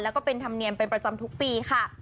แล้วก็เป็นธรรมเนียมเป็นประจำทุกปีค่ะ